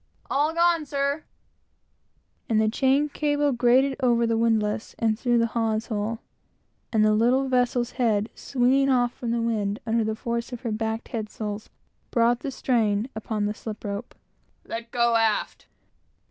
"All gone, sir;" and the iron cable grated over the windlass and through the hawse hole, and the little vessel's head swinging off from the wind under the force of her backed head sails, brought the strain upon the slip rope. "Let go aft!"